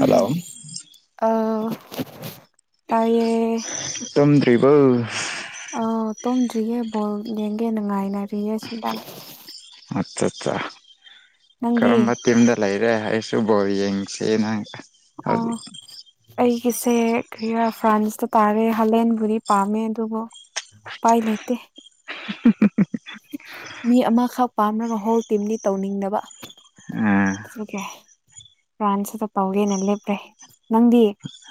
hello ꯑꯥ ꯇꯥꯏꯌꯦ ꯇꯝꯗ꯭ꯔꯤꯕꯣ ꯑ ꯇꯨꯝꯗ꯭ꯔꯤꯌꯦ ꯕꯣꯜ ꯌꯦꯡꯒꯦ ꯅꯨꯡꯉꯥꯏꯅꯔꯤꯌꯦ ꯁꯤꯗ ꯑꯠꯆꯥ ꯑꯠꯆꯥ ꯅꯪꯗꯤ ꯀꯔꯝꯕ ꯇꯤꯝꯗ ꯂꯩꯔꯦ ꯑꯩꯁꯨ ꯕꯣꯜ ꯌꯦꯡꯁꯤ ꯅꯪ ꯑꯣ ꯑꯩꯒꯤꯁꯦ ꯈꯔ ꯐ꯭ꯔꯥꯟꯁꯇ ꯇꯥꯔꯦ ꯍꯂꯦꯟꯕꯨꯗꯤ ꯄꯥꯝꯃꯦ ꯑꯗꯨꯕꯨ ꯎꯄꯥꯏ ꯂꯩꯇꯦ ꯎꯝ ꯎ [inaudible] ꯃꯤ ꯑꯃꯈꯛ ꯄꯥꯝꯔꯒ ꯍꯣꯜ ꯇꯤꯝꯗꯤ ꯇꯧꯅꯤꯡꯗꯕ ꯎꯝ ꯆ [unintelligible] ꯀꯦ ꯐ꯭ꯔꯥꯟꯁꯤꯗ ꯇꯧꯒꯦꯅ ꯂꯦꯞꯄ꯭ꯔꯦ ꯅꯪꯗꯤ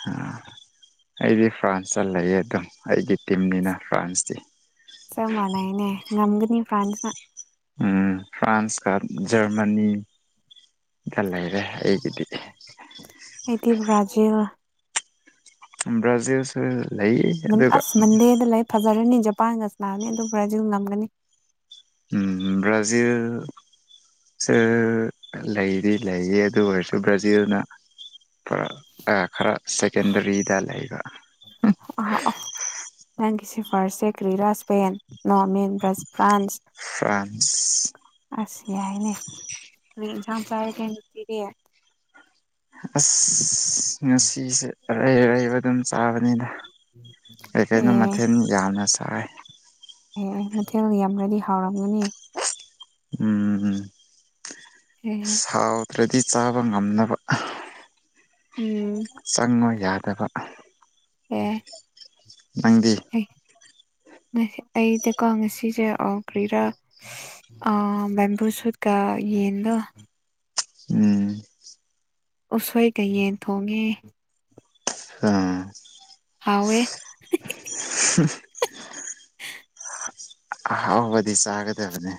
ꯑ [unintelligible] ꯑꯩꯗꯤ ꯐ꯭ꯔꯥꯟꯁꯇ ꯂꯩꯌꯦ ꯑꯗꯨꯝ ꯑꯩꯒꯤ ꯇꯤꯝꯅꯤꯅ ꯐ꯭ꯔꯥꯟꯁꯇꯤ ꯆꯞ ꯃꯥꯟꯅꯩꯅꯦ ꯉꯝꯒꯅꯤ ꯐ꯭ꯔꯥꯟꯁꯅ ꯑꯝ ꯐ꯭ꯔꯥꯟꯁꯀ ꯖꯔꯃꯅꯤꯒ ꯂꯩꯔꯦ ꯑꯩꯒꯤꯗꯤ ꯑꯩꯗꯤ ꯕ꯭ꯔꯥꯖꯤꯜ ꯝꯕ꯭ꯔꯥꯖꯤꯜꯁꯨ ꯂꯩ ꯑꯗꯨꯒ ꯑꯁ ꯃꯟꯗꯦꯗ ꯂꯩ ꯐꯖꯔꯅꯤ ꯖꯄꯥꯟꯒ ꯁꯥꯟꯅꯔꯅꯤ ꯑꯗꯨ ꯕ꯭ꯔꯥꯖꯤꯜ ꯉꯝꯒꯅꯤ ꯑꯝ ꯕ꯭ꯔꯥꯖꯤꯜ ꯂꯩꯗꯤ ꯂꯩꯌꯦ ꯑꯗꯨ ꯑꯣꯏꯔꯁꯨ ꯕ꯭ꯔꯥꯖꯤꯜꯅ ꯈꯔ ꯑꯥ ꯈꯔ ꯁꯦꯀꯦꯟꯗꯔꯤꯗ ꯂꯩꯕ ꯑ ꯑ ꯅꯪꯒꯤ ꯁꯦ ꯐꯥꯔꯁꯁꯦ ꯀ꯭ꯔꯤ ꯔꯥꯥꯁꯄꯦꯟ ꯅꯣꯔꯃꯦꯟ ꯕ꯭ꯔꯁ ꯐ꯭ꯔꯥꯟꯁ ꯐ꯭ꯔꯥꯟꯁ ꯑꯁ ꯌꯥꯏꯅꯦ ꯀꯔꯤ ꯏꯟꯁꯥꯡ ꯆꯥꯔꯒꯦ ꯉꯁꯤꯗꯤ ꯑꯁ ꯉꯁꯤꯁꯦ ꯑꯔꯩ ꯑꯔꯩꯕ ꯑꯗꯨꯝ ꯆꯥꯕꯅꯤꯗ ꯀꯩ ꯀꯩꯅꯣ ꯃꯊꯦꯜ ꯌꯥꯝꯅ ꯆꯥꯏ ꯑꯝ ꯃꯊꯦꯜ ꯌꯥꯝ꯭ꯔꯗꯤ ꯍꯥꯎꯔꯝꯒꯅꯤ ꯎꯝ ꯎ ꯎꯝ ꯑꯦ ꯁꯥꯎꯗ꯭ꯔꯗꯤ ꯆꯥꯕ ꯉꯝꯅꯕ ꯎꯝ ꯆꯪꯕ ꯌꯥꯗꯕ ꯑꯦ ꯅꯪꯗꯤ ꯑꯦ ꯑꯩꯗꯤ ꯉꯁꯤꯁꯦ ꯑꯣ ꯒ꯭ꯔꯤꯔꯥ ꯑꯣ ꯕ‌ꯦꯝꯕꯨ ꯁꯨꯠꯒ ꯌꯦꯟꯗ‌ꯣ ꯎꯝ ꯎꯁꯣꯏ ꯀ ꯌꯦꯟ ꯊꯣꯡꯉꯦ ꯍꯧꯋꯦ [unintelligible] ꯑꯍꯥꯎꯕꯗꯤ ꯆꯥꯒꯗꯕꯅꯦ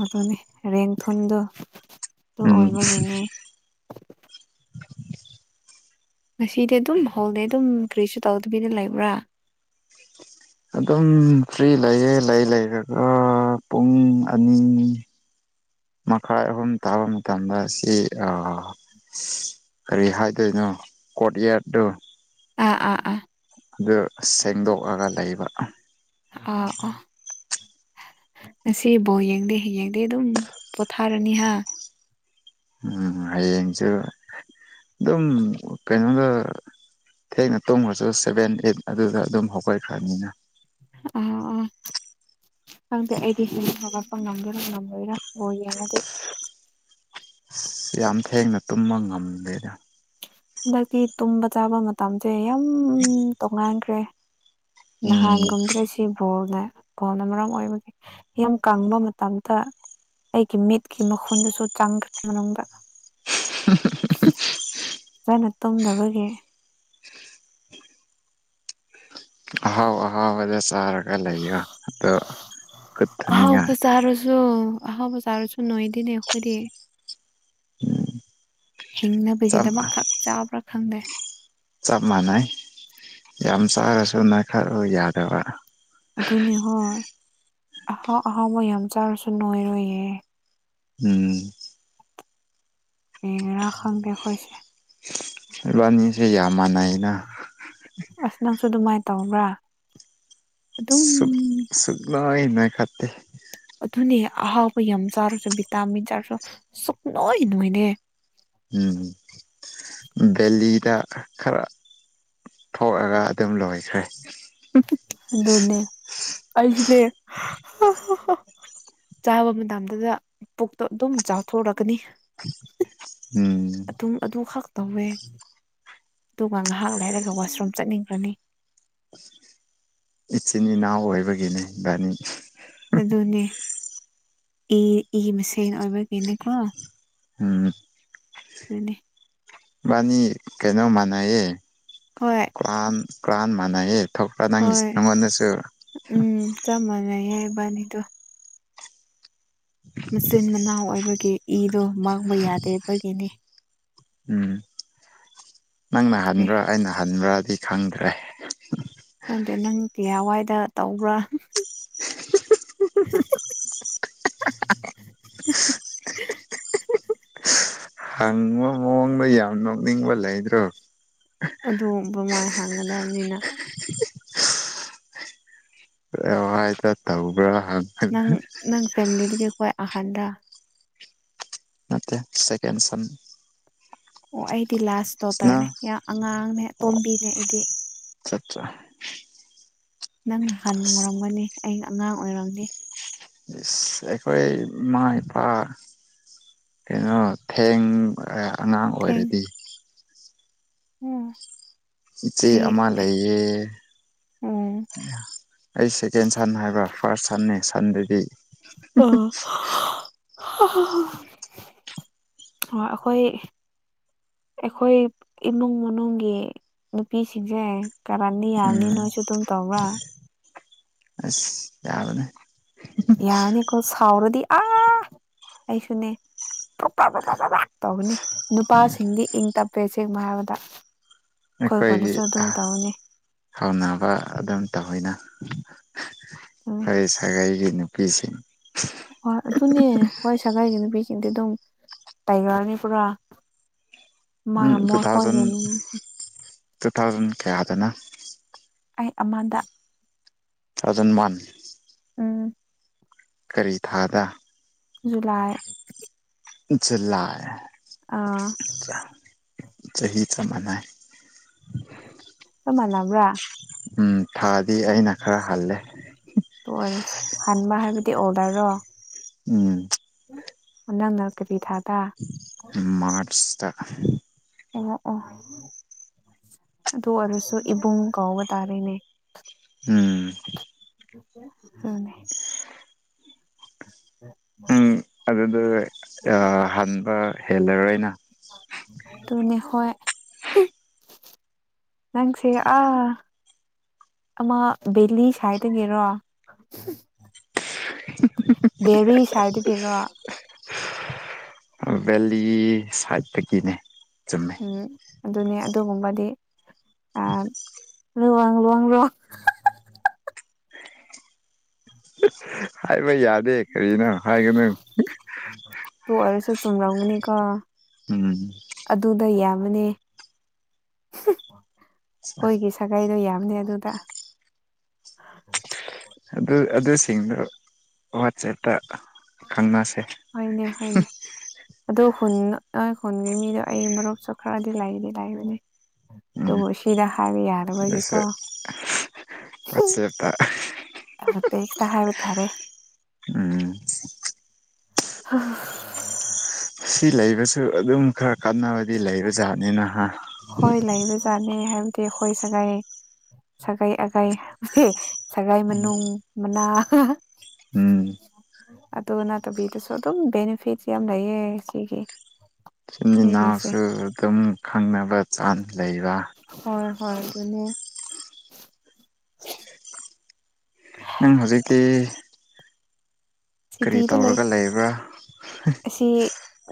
ꯑꯗꯨꯅꯦ ꯔꯦꯡ ꯊꯨꯟꯗꯨ ꯑꯗꯨ ꯎꯝ ꯑꯣꯏꯕꯒꯤꯅꯦ ꯉꯁꯤꯗꯤ ꯑꯗꯨꯝ ꯍꯧꯜꯂꯦ ꯑꯗꯨꯝ ꯀꯔꯤꯁꯨ ꯇꯧꯗꯕꯤꯗ ꯂꯩꯕ꯭ꯔꯥ ꯑꯗꯨꯝ ꯐ꯭ꯔꯤ ꯂꯩꯌꯦ ꯂꯩ ꯂꯩꯔꯒ ꯄꯨꯡ ꯑꯅꯤ ꯃꯈꯥꯏ ꯑꯍꯨꯝ ꯇꯥꯕ ꯃꯇꯝꯗ ꯁꯤ ꯑꯥ ꯀꯔꯤ ꯍꯥꯏꯗꯣꯏꯅꯣ ꯀꯣꯔꯣꯠ ꯌꯥꯔꯗꯨ ꯑꯥ ꯑꯥ ꯑꯥ ꯑꯗꯨ ꯁꯦꯡꯗꯣꯛꯑꯒ ꯂꯩꯕ ꯑꯥ ꯑꯥ ꯉꯁꯤ ꯕꯣꯜ ꯌꯦꯡꯗꯦ ꯌꯦꯡꯗꯦ ꯑꯗꯨꯝ ꯄꯣꯊꯥꯔꯅꯤ ꯍꯥ ꯎꯝ ꯍꯌꯦꯡꯁꯨ ꯑꯗꯨꯝ ꯀꯩꯅꯣꯗ ꯊꯦꯡꯅ ꯇꯨꯝꯈ꯭ꯔꯁꯨ ꯁꯦꯚꯦꯟ ꯑꯦꯠ ꯑꯗꯨꯗ ꯑꯗꯨꯝ ꯍꯧꯒꯠꯈ꯭ꯔꯕꯅꯤꯅ ꯑꯣ ꯑꯣ ꯈꯪꯗꯦ ꯑꯩꯗꯤ ꯍꯌꯦꯡ ꯍꯧꯒꯠꯄ ꯉꯝꯗꯣꯏꯔꯥ ꯉꯝꯃꯣꯢꯗꯣꯏꯔꯥ ꯕ‌ꯣꯜ ꯌꯦꯡꯉꯗꯤ ꯌꯥꯝ ꯊꯦꯡꯅ ꯇꯨꯝꯕ ꯉꯝꯗꯦꯗ ꯍꯟꯗꯛꯇꯤ ꯇꯨꯝꯕ ꯆꯥꯕ ꯃꯇꯝꯁꯦ ꯌꯥꯝ ꯇꯣꯉꯥꯟꯈ꯭ꯔꯦ ꯎꯝ ꯅꯍꯥꯟꯒꯨꯨꯝꯗ꯭ꯔꯁꯤ ꯁꯤ ꯕꯣꯜꯅ ꯕꯣꯜꯅ ꯃꯔꯝ ꯑꯣꯏꯕꯒꯤ ꯌꯥꯝ ꯀꯪꯕ ꯃꯇꯝꯗ ꯑꯩꯒꯤ ꯃꯤꯠꯀꯤ ꯃꯈꯨꯟꯗꯨꯁꯨ ꯆꯥꯡꯈ꯭ꯔꯦ ꯃꯅꯨꯡꯗ ꯐꯖꯥꯅ ꯇꯨꯝꯗꯕꯒꯤ ꯑꯍꯥꯎ ꯑꯍꯥꯎꯕꯗ ꯆꯥꯔꯒ ꯂꯩꯌꯣ ꯑꯗꯣ ꯀꯨꯇꯅꯤꯉꯥꯏ ꯑꯗꯣ ꯑꯍꯧꯕ ꯆꯥꯔꯁꯨ ꯅꯣꯏꯗꯦꯅꯦ ꯑꯩꯈꯣꯏꯗꯤ ꯆꯞ ꯍꯤꯡꯅꯕꯒꯤꯗꯃꯛ ꯈꯛ ꯆꯥꯕ꯭ꯔꯥ ꯈꯪꯗꯦ ꯆꯞ ꯃꯥꯟꯅꯩ ꯌꯥꯝ ꯆꯥꯔꯁꯨ ꯅꯣꯏꯈꯠꯂꯣ ꯌꯥꯗꯕ ꯑꯗꯨꯅꯤ ꯍꯣꯏ ꯑꯍꯥꯎ ꯑꯍꯥꯎꯕ ꯌꯥꯝ ꯆꯥꯔꯁꯨ ꯅꯣꯏꯔꯣꯏꯌꯦ ꯎꯝ ꯌꯦꯡꯉꯦꯔꯥ ꯈꯪꯗꯦ ꯑꯩꯈꯣꯏꯁꯦ ꯢꯕꯥꯅꯤꯁꯦ ꯌꯥꯝ ꯃꯥꯟꯅꯩꯩꯅ ꯑꯁ ꯅꯪꯁꯨ ꯑꯗꯨꯃꯥꯏꯅ ꯇꯧꯕ꯭ꯔꯥ ꯑꯗꯨꯝ ꯁꯨꯛ ꯁꯨꯛꯅꯣꯏ ꯅꯣꯏꯈꯠꯇꯦ ꯑꯗꯨꯅꯦ ꯑꯍꯥꯎꯕ ꯌꯥꯝ ꯆꯥꯔꯁꯨ ꯚꯤꯇꯥꯃꯤꯟ ꯆꯥꯔꯁꯨ ꯁꯨꯛꯅꯣꯏ ꯅꯣꯏꯗꯦ ꯎꯝ ꯒꯦꯂꯤꯗ ꯈꯔ ꯊꯣꯛꯑꯒ ꯑꯗꯨꯝ ꯂꯣꯏꯈ꯭ꯔꯦ ꯑꯗꯨꯅꯦ ꯑꯩꯁꯨ ꯅꯦ ꯆꯥꯕ ꯃꯇꯝꯗꯨꯗ ꯄꯨꯛꯇꯣ ꯑꯗꯨꯝ ꯆꯥꯎꯊꯣꯛꯔꯛꯀꯅꯤ ꯎꯝ ꯑꯗꯨꯝ ꯑꯗꯨꯈꯛ ꯇꯧꯋꯦ ꯑꯗꯨꯒ ꯉꯥꯏꯍꯥꯛ ꯂꯩꯔꯒ ꯋꯥꯁꯔꯨꯝ ꯆꯠꯅꯤꯡꯈ꯭ꯔꯅꯤ ꯏꯆꯤꯟ ꯏꯅꯥꯎ ꯑꯣꯏꯕꯒꯤꯅꯦ ꯏꯕꯥꯅꯤ ꯑꯗꯨꯅꯦ ꯏ ꯏ ꯃꯁꯦꯟ ꯑꯣꯏꯕꯒꯤꯅꯦꯀꯣ ꯎꯝ ꯑꯗꯨꯅ‌ꯦ ꯏꯕꯟꯅꯤ ꯀꯩꯅꯣ ꯃꯅ‌ꯩꯌꯦ ꯍꯣꯏ ꯀ꯭ꯔꯥꯟ ꯀ꯭ꯔꯥꯟ ꯃꯥꯟꯅꯩꯌꯦ ꯊꯣꯛꯄ ꯅꯪꯒꯤꯁꯨ ꯍꯣꯏ ꯅꯪꯉꯣꯟꯗꯁꯨ ꯎꯝ ꯆꯞ ꯃꯥꯟꯅꯩꯌꯦ ꯏꯕꯥꯟꯅꯤꯗꯨ ꯃꯆꯤꯟ ꯃꯅꯥꯎ ꯑꯣꯏꯕꯒꯤ ꯏꯗꯣ ꯃꯥꯡꯕ ꯌꯥꯗꯕꯒꯤꯅꯤ ꯎꯝ ꯅꯪꯅ ꯑꯦ ꯍꯟꯕ꯭ꯔꯥ ꯑꯩꯅ ꯍꯟꯕ꯭ꯔꯗꯤ ꯈꯪꯗ꯭ꯔꯦ ꯈꯪꯗꯦ ꯅꯪ ꯀꯌꯥ ꯋꯥꯏꯗ ꯇꯧꯕ꯭ꯔꯥ ꯍꯪꯕ ꯃꯑꯣꯡꯗꯣ ꯌꯥꯝ ꯅꯣꯛꯅꯤꯡꯕ ꯂꯩꯗ꯭ꯔꯣ ꯑꯗꯨ ꯗꯨꯃꯥꯏ ꯍꯥꯡꯒꯗꯕꯅꯤꯅ ꯑꯗꯨꯃꯥꯢ ꯈꯔ ꯇꯧꯕ꯭ꯔꯥ ꯅꯪ ꯅꯪ ꯐꯦꯃꯤꯂꯤꯗꯒꯤ ꯈ꯭ꯋꯥꯏ ꯑꯍꯥꯟꯗ ꯅꯠꯇꯦ ꯁꯀꯦꯟ ꯁꯟ ꯑꯣ ꯑꯩꯗꯤ ꯂꯥꯁ ꯁꯟꯅ ꯗꯣꯇꯔꯅꯦ ꯌꯥꯝ ꯑꯉꯥꯡꯅꯦ ꯇꯣꯝꯕꯤꯅꯦ ꯑꯩꯗꯤ ꯑꯆꯥꯠꯆꯥ ꯅꯪ ꯍꯥꯟꯅ ꯑꯣꯏꯔꯝꯒꯅꯤ ꯑꯩ ꯑꯉꯥꯡ ꯑꯣꯏꯔꯝꯅꯤ ꯑꯁ ꯑꯩꯈꯣꯏ ꯏꯃꯥ ꯏꯄꯥ ꯀꯩꯅꯣ ꯊꯦꯡꯉꯒ ꯑꯉꯥꯡ ꯑꯣꯏꯔꯗꯤ ꯑꯝ ꯆꯦ ꯆꯦ ꯑꯃ ꯂꯩꯌꯦ ꯎꯝ ꯑꯩ ꯁꯦꯀꯦꯟ ꯁꯟ ꯍꯥꯏꯕ ꯐꯥꯔꯁ ꯁꯟꯅꯦ ꯁꯟꯗꯗꯤ ꯑꯥ ꯑꯩꯈꯣꯏ ꯑꯩꯈꯣꯏ ꯏꯃꯨꯡ ꯃꯅꯨꯡꯒꯤ ꯅꯨꯄꯤꯁꯤꯡꯁꯦ ꯀꯥꯔꯟꯗꯤ ꯌꯥꯕꯅꯤ ꯎꯝ ꯅꯣꯏꯁꯨ ꯑꯗꯨꯝ ꯇꯧꯕ꯭ꯔꯥ ꯑꯁ ꯌꯥꯕꯅꯦ ꯌꯥꯅꯤꯀꯣ ꯁꯥꯎꯔꯗꯤ ꯑꯥ ꯑꯩꯁꯨꯅꯦ [unintelligible] ꯇꯧꯕꯅꯤ ꯅꯨꯄꯥꯁꯤꯡꯗꯤ ꯏꯪ ꯇꯞꯄꯦ ꯑꯁꯦꯡꯕ ꯍꯥꯏꯔꯕꯗ ꯑꯩꯈꯣꯏ ꯑꯩꯈꯣꯏꯒꯤ ꯈꯣꯟꯗꯁꯨ ꯑꯗꯨꯝ ꯇꯧꯕꯅꯦ ꯍꯧꯅꯕ ꯑꯗꯨꯝ ꯇꯧꯋꯤꯅ ꯑꯩ ꯁꯥꯒꯩꯒꯤ ꯅꯨꯄꯤꯁꯤꯡ ꯍꯣꯏ ꯑꯗꯨꯅꯦ ꯍꯣꯏ ꯁꯒꯥꯏꯒꯤ ꯅꯨꯄꯤꯁꯤꯡꯗꯤ ꯑꯗꯨꯝ ꯇꯥꯏꯒ꯭ꯔꯅꯦ ꯄꯨꯔꯥ ꯃꯥ ꯎꯝ ꯇꯨ ꯃꯣꯏ ꯈꯣꯏ ꯊꯥꯎꯖꯟ ꯇꯨ ꯊꯥꯎꯖꯟ ꯀꯌꯥꯗꯅ ꯑꯩ ꯑꯃꯗ ꯊꯥꯎꯖꯟ ꯋꯥꯟ ꯎꯝ ꯀꯔꯤ ꯊꯥꯗ ꯖꯨꯂꯥꯏ ꯖꯨꯂꯥꯏ ꯑꯥ ꯆꯍꯤ ꯆꯞ ꯃꯅꯩ ꯆꯥꯞ ꯃꯥꯟꯅꯕ꯭ꯔꯥ ꯎꯝ ꯊꯥꯗꯤ ꯑꯩꯅ ꯈꯔ ꯍꯜꯂꯦ ꯑꯗꯨ ꯑꯣꯏꯔꯁꯨ ꯍꯟꯕ ꯍꯥꯏꯕꯗꯤ ꯑꯣꯔꯗ꯭ꯔꯔꯣ ꯎꯝ ꯅꯪꯅ ꯀꯔꯤ ꯊꯥꯗ ꯃꯥꯔ꯭ꯆꯇꯥ ꯑꯣ ꯑꯣ ꯑꯗꯨ ꯑꯣꯏꯔꯁꯨ ꯏꯕꯨꯡ ꯀꯧꯕ ꯇꯥꯔꯦꯅꯦ ꯎꯝ ꯑꯗꯨꯅꯦ [unintelligible] ꯑꯗꯨꯗꯣ ꯍꯟꯕ ꯍꯦꯜꯂꯔꯣꯏꯅ ꯑꯗꯨꯅꯦ ꯍꯣꯏ ꯅꯪꯁꯦ ꯑꯥ ꯑꯃ ꯕꯦꯂꯤ ꯁꯥꯏꯠꯇꯒꯤꯔꯣ ꯕꯦꯂꯤ ꯁꯥꯏꯠꯗꯒꯤꯔꯣ ꯕꯦꯂꯤ ꯁꯥꯏꯠꯇꯒꯤꯅꯦ ꯆꯨꯝꯃꯦ ꯎꯝ ꯑꯗꯨꯅꯦ ꯑꯗꯨꯒꯨꯝꯕꯗꯤ [inaudible] ꯍꯜ ꯋꯥꯡ ꯋꯥꯡ ꯔꯣ [unintelligible] ꯍꯥꯏꯕ ꯌꯥꯗꯦ ꯀꯔꯤꯅꯣ ꯍꯥꯏꯒꯅꯨ ꯑꯗꯨ ꯑꫭꯢꯔꯁꯨ ꯆꯨꯝꯂꯝꯒꯅꯤꯀꫭ ꯎꯝ ꯑꯗꯨꯗ ꯌꯥꯝꯕꯅꯦ ꯑꯩꯈꯣꯏꯒꯤ ꯁꯥꯒꯩꯗꯣ ꯌꯥꯝꯕꯅꯦ ꯑꯗꯨꯗ ꯑꯗꯨ ꯑꯗꯨꯁꯤꯡꯗꯨ ꯋꯥꯆꯦꯞꯇ ꯈꯪꯅꯁꯦ ꯍꫭꯏꯅꯦ ꯍꫭꯏꯅꯦ ꯑꯗꯨ ꯈꯨꯟ ꯅꯣꯏ ꯈꯨꯟꯒꯤ ꯃꯤꯗꯣ ꯑꯩꯒꯤ ꯃꯔꯨꯞꯁꯨ ꯈꯔꯗꯤ ꯂꯩꯗꯤ ꯂꯩꯕꯅꯦ ꯎꯝ ꯑꯗꯨꯕꯨ ꯁꯤꯗ ꯍꯥꯏꯕ ꯌꯥꯗꯕꯒꯤꯀꯣ ꯑꯗꯨꯁꯨ ꯀ [unintelligible] ꯑꯥ ꯇꯦꯛꯁꯇ ꯍꯥꯏꯕ ꯇꯥꯔꯦ ꯎꯝ ꯁꯤ ꯂꯩꯕꯁꯨ ꯑꯗꯨꯝ ꯈꯔ ꯀꯥꯟꯅꯕꯗꯤ ꯂꯩꯕ ꯖꯥꯠꯅꯤꯅꯥ ꯍꯥ ꯍꯣꯏ ꯂꯩꯕꯖꯥꯠꯅꯤ ꯍꯥꯏꯕꯗꯤ ꯑꯩꯈꯣꯏ ꯁꯥꯒꯩ ꯁꯒꯩ ꯑꯒꯩ ꯁꯒꯩ ꯃꯅꯨꯡ ꯃꯅꯥ ꯎꯝ ꯑꯗꯨ ꯅꯠꯇꯕꯤꯗꯁꯨ ꯑꯗꯨꯝ ꯕꯦꯅꯤꯐꯤꯠꯁ ꯌꯥꯝ ꯂꯩꯌꯦ ꯁꯤꯒꯤ ꯏꯆꯤꯟ ꯁꯤꯒꯤꯁꯦ ꯏꯅꯥꯎꯁꯨ ꯑꯗꯨꯝ ꯈꯪꯅꯕ ꯆꯥꯟꯁ ꯂꯩꯕ ꯍꯣꯏ ꯍꯣꯏ ꯑꯗꯨꯅꯦ ꯅꯪ ꯍꯧꯖꯤꯛꯇꯤ ꯀꯔꯤ ꯁꯤꯇꯤꯗ ꯂꯩ ꯇꯧꯔꯒ ꯂꯩꯕ꯭ꯔꯥ ꯑꯁꯤ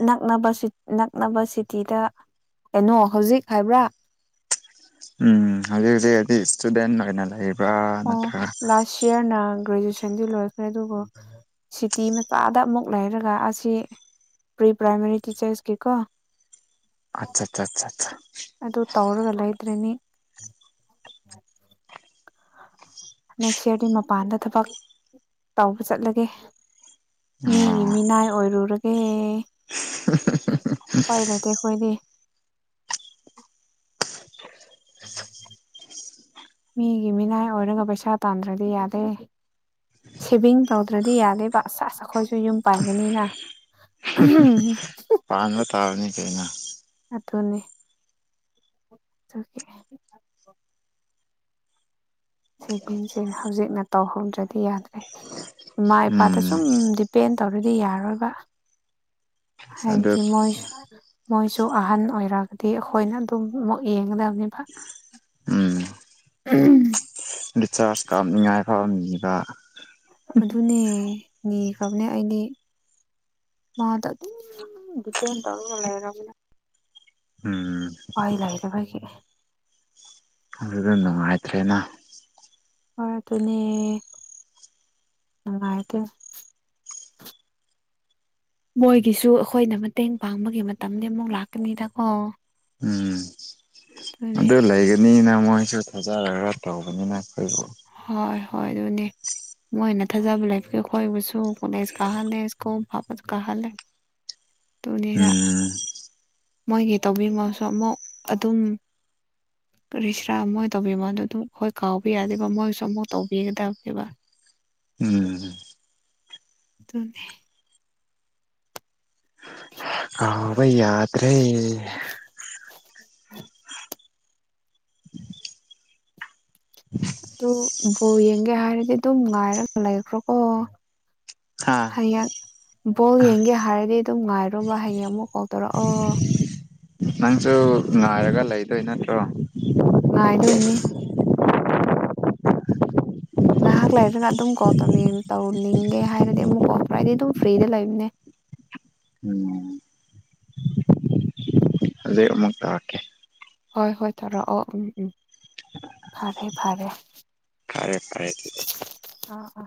ꯅꯛꯅꯕ ꯁꯨ ꯅꯛꯅꯕ ꯁꯤꯇꯤꯗ ꯀꯩꯅꯣ ꯍꯧꯖꯤꯛ ꯍꯥꯏꯕ꯭ꯔꯥ ꯎꯝ ꯍꯧꯖꯤꯛ ꯍꯧꯖꯤꯛ ꯍꯥꯏꯗꯤ ꯏꯁꯇꯨꯗꯦꯟ ꯑꯣꯏꯅ ꯂꯩꯕ꯭ꯔꯥ ꯅꯠꯇ꯭ꯔꯒ ꯁꯤꯌꯥꯔꯅ ꯒ꯭ꯔꯦꯖꯨꯑꯦꯁꯟꯗꯤ ꯂꯣꯏꯈ꯭ꯔꯦ ꯑꯗꯨꯕꯨ ꯁꯤꯇꯤ ꯃꯆꯥꯗ ꯑꯃꯨꯛ ꯂꯩꯔꯒ ꯑꯁꯤ ꯄꯤ ꯄ꯭ꯔꯥꯏꯃꯔꯤ ꯇꯤꯆꯔꯁꯀꯤ ꯀꫭ ꯑꯠꯆꯥ ꯆꯥꯆꯥꯆꯥ ꯑꯗꯨ ꯇꯧꯔꯒ ꯂꫭꯏꯗ꯭ꯔꯤꯅꯤ ꯅꯦꯛꯁ ꯌꯥꯔꯗꯤ ꯃꯄꯥꯟꯗ ꯊꯕꯛ ꯇꯧꯕ ꯆꯠꯂꯒꯦ ꯃꯤꯒꯤ ꯑꯣ ꯃꯤꯅꯥꯏ ꯑꯣꯏꯔꯨꯔ ꯒꯦ [inaudible] ꯄꯥꯏꯗꯦꯗ ꯑꯩꯈꯣꯏꯗꯤ [inaudible] ꯃꯤꯒꯤ ꯃꯤꯅꯥꯏ ꯑꯣꯏꯔꯒ ꯄꯩꯁꯥ ꯇꯥꯟꯗ꯭ꯔꯗꯤ ꯌꯥꯗꯦ ꯁꯦꯚꯤꯡ ꯇꯧꯗ꯭ꯔꯗꯤ ꯌꯥꯗꯦꯕ ꯁꯥꯁ ꯑꯩꯈꯣꯏꯁꯨ ꯌꯨꯝ ꯄꯥꯟꯒꯅꯤꯅ [unintelligible] ꯄꯥꯟꯕ ꯇꯥꯕꯅꯤ ꯀꯩꯅꫭ ꯑꯗꯨꯅꯦ ꯑꯗꯨꯒꯤ [unintelligible] ꯁꯦꯚꯤꯡꯁꯦ ꯍꯧꯖꯤꯛꯅ ꯇꯧꯍꯧꯗ꯭ꯔꯗꯤ ꯌꯥꯗ꯭ꯔꯦ ꯏꯃꯥ ꯏꯄꯥꯗ ꯎꯝ ꯁꯨꯝ ꯗꯤꯞ ꯇꯣꯏꯅꯥ ꯇꯧꯔꯗꯤ ꯌꯥꯔꯣꯏꯕ ꯑꯗꯨ ꯍꯥꯏꯕꯗꯤ ꯃꯣꯏꯁꯨ ꯃꯣꯏꯁꯨ ꯑꯍꯟ ꯑꯣꯏꯔꯒꯗꯤ ꯑꯩꯈꯣꯏꯅ ꯑꯗꯨꯝ ꯑꯃꯨꯛ ꯌꯦꯡꯒꯗꯕꯅꯦꯕ ꯎꯝ ꯎꯍꯨꯝ ꯔꯤꯆꯥꯔꯖ ꯀꯥꯞꯅꯤꯡꯉꯥꯏ ꯐꯥꯎ ꯅꯤꯕ ꯑꯗꯨꯅꯦ ꯅꯤꯈ꯭ꯔꯕꯅꯦ ꯑꯩꯗꯤ ꯃꯥꯗ ꯑꯗꯨꯝ ꯗꯤꯄꯦꯟ ꯇꯧꯔꯒ ꯂꯩꯔꯕꯅ ꯎꯝ ꯄꯥꯏ ꯂꯩꯗꯕꯒꯤ ꯑꯗꯨꯗ ꯅꯨꯡꯉꯥꯏꯇ꯭ꯔꯦꯅ ꯍꯣꯏ ꯑꯗꯨꯅꯦ ꯅꯨꯡꯉꯥꯏꯇꯦ ꯃꯣꯏꯒꯤꯁꯨ ꯑꯩꯈꯣꯏꯅ ꯃꯇꯦꯡ ꯄꯥꯡꯕꯒꯤ ꯃꯇꯝꯗꯤ ꯑꯃꯨꯛ ꯂꯥꯛꯀꯅꯤꯗ ꯀꯣ ꯎꯝ ꯑꯗꯨ ꯂꯩꯕꯅꯤꯅ ꯃꯣꯏꯁꯨ ꯊꯥꯖꯔꯒ ꯇꯧꯕꯅꯤꯅ ꯑꯩꯈꯣꯏꯕꯨ ꯍꯣꯏ ꯍꯣꯏ ꯑꯗꯨꯅꯦ ꯃꯣꯏꯅ ꯊꯥꯖꯕ ꯂꯥꯏꯕꯒꯤ ꯑꯩꯈꯣꯏꯕꯁꯨ ꯀꯣꯂꯦꯖ ꯀꯥꯍꯜꯂꯦ ꯁ꯭ꯀꯨꯜ ꯐꯥꯕꯁꯨ ꯀꯥꯍꯜꯂꯦ ꯑꯗꯨꯅꯤꯗ ꯎꯝ ꯃꯣꯏꯒꯤ ꯇꯧꯕꯤꯃꯜꯁꯨ ꯑꯃꯨꯛ ꯑꯗꯨꯝ ꯀꯔꯤꯍꯥꯏꯁꯤꯔ ꯃꯣꯏ ꯇꯧꯕꯤꯃꯟꯗꯨ ꯑꯗꯨꯝ ꯈꯣꯏ ꯀꯥꯎꯕ ꯌꯥꯗꯦꯕ ꯃꯣꯏꯁꯨ ꯑꯃꯨꯛ ꯇꯧꯕꯤꯒꯗꯕꯅꯦꯕ ꯎꯝ [inaudible] ꯑꯗꯨꯅꯦ ꯍꯧꯕ ꯌꯥꯗ꯭ꯔꯦ [inaudible] ꯑꯗꯨ ꯕꯣꯜ ꯌꯦꯡꯒꯦ ꯍꯥꯏꯔꯗꯤ ꯑꯗꯨꯝ ꯉꯥꯏꯔꯒ ꯂꯩꯈ꯭ꯔꯣꯀꯣ ꯍꯥꯥ [unintelligible] ꯍꯡ ꯕꯣꯜ ꯌꯦꯡꯒꯦ ꯍꯥꯏꯔꯗꯤ ꯑꯗꯨꯝ ꯉꯥꯏꯔꯣꯕ ꯍꯌꯦꯡ ꯑꯃꯨꯛ ꯀꯣꯜ ꯇꯧꯔꯛꯑꯣ ꯅꯪꯁꯨ ꯉꯥꯏꯔꯒ ꯂꯩꯗꯣꯏ ꯅꯠꯇ꯭ꯔꯣ ꯉꯥꯏꯗꯣꯏꯅꯦ ꯉꯥꯏꯍꯥꯛ ꯂꯩꯔꯒ ꯑꯗꯨꯝ ꯀꯣꯜ ꯇꯧꯅꯤꯡ ꯇꯧꯅꯤꯡꯒꯦ ꯍꯥꯏꯔꯗꯤ ꯑꯃꯨꯛ ꯀꯣꯜ ꯇꯧꯔ ꯑꯩꯗꯤ ꯑꯗꯨꯝ ꯐ꯭ꯔꯤꯗ ꯂꯩꯕꯅꯦ ꯎꯝ [inaudible] ꯍꯧꯖꯤꯛ ꯑꯃꯨꯛ ꯇꯥꯛꯀꯦ ꯍꯣꯏ ꯍꯣꯏ ꯇꯧꯔꯣꯑꯣ ꯎꯝ ꯎꯝ ꯐꯔꯦ ꯐꯔꯦ ꯐꯔꯦ ꯐꯔꯦ ꯑꯗꯨꯗꯤ ꯑꯥ ꯑꯥ